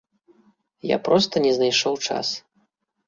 Я проста не знайшоў час.